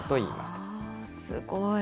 すごい。